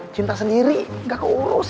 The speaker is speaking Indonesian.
cinta sendiri enggak keurus